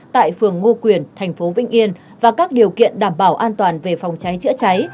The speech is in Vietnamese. tại phường ngô quyền thành phố vĩnh yên và các điều kiện đảm bảo an toàn về phòng cháy chữa cháy